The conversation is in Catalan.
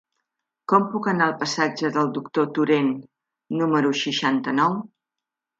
Com puc anar al passatge del Doctor Torent número seixanta-nou?